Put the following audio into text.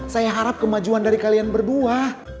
saya harap kemajuan dari kalian berdua